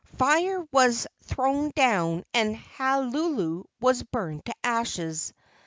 Fire was thrown down and Halulu was burned to ashes.